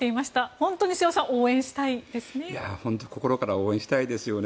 本当に瀬尾さん、応援したいですね。